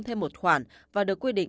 thêm một khoản và được quy định